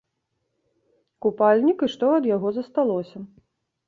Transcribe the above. Купальнік і што ад яго засталося!